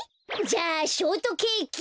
じゃあショートケーキ。